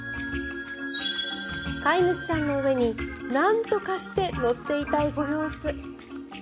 飼い主さんの上になんとかして乗っていたいご様子。